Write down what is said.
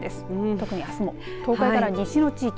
特にあすも東海から西の地域。